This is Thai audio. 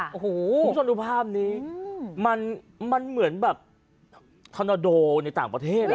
มรู้สึกมาดูภาพนี้มันเหมือนแบบธนดลในต่างประเทศ